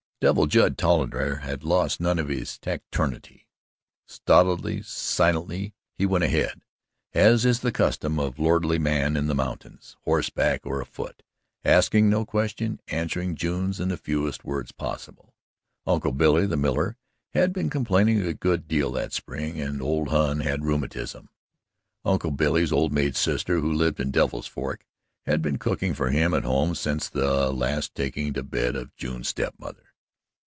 Devil Judd Tolliver had lost none of his taciturnity. Stolidly, silently, he went ahead, as is the custom of lordly man in the mountains horseback or afoot asking no questions, answering June's in the fewest words possible. Uncle Billy, the miller, had been complaining a good deal that spring, and old Hon had rheumatism. Uncle Billy's old maid sister, who lived on Devil's Fork, had been cooking for him at home since the last taking to bed of June's step mother.